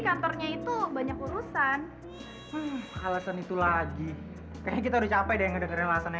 kantornya itu banyak urusan alasan itu lagi kayaknya kita udah capek deh ngedengerin alasannya